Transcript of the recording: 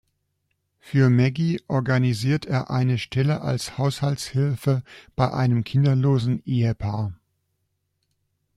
Für Meggie organisiert er eine Stelle als Haushaltshilfe bei einem kinderlosen Ehepaar.